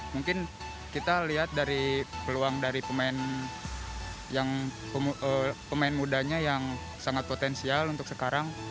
mungkin kita lihat dari peluang dari pemain mudanya yang sangat potensial untuk sekarang